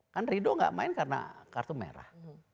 kan rido tidak main karena kartu merah